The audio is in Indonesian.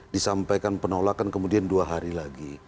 disampaikan penolakan kemudian dua hari lagi